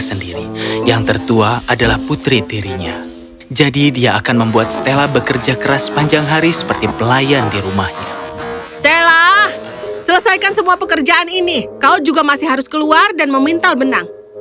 selesaikan semua pekerjaan ini kau juga masih harus keluar dan memintal benang